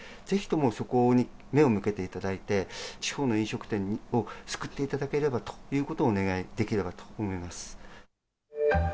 ぜひともそこに目を向けていただいて、地方の飲食店を救っていただければということをお願いできればと思います。